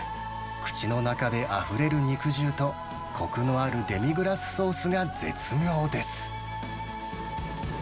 口の中であふれる肉汁と、こくのあるデミグラスソースが絶妙です。